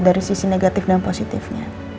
dari sisi negatif dan positifnya